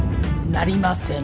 なりません。